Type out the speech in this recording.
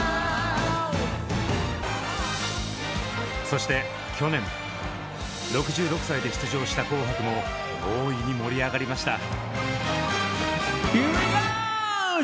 そして去年６６歳で出場した「紅白」も大いに盛り上がりました。